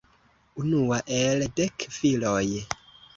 Unua el dek filoj.